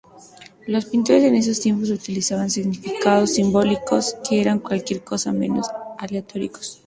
Los pintores en esos tiempos utilizaban "significados simbólicos que eran cualquier cosa menos aleatorios.